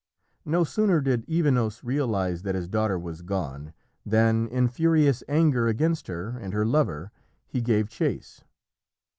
No sooner did Evenos realise that his daughter was gone, than, in furious anger against her and her lover, he gave chase.